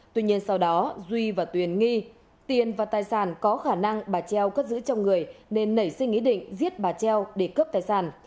tuy nhiên sau đó duy và tuyền nghi tiền và tài sản có khả năng bà treo cất giữ trong người nên nảy sinh ý định giết bà treo để cướp tài sản